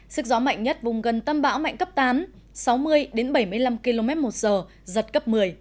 sức gió mạnh nhất vùng gần tâm bão mạnh cấp tám sáu mươi bảy mươi năm km một giờ giật cấp một mươi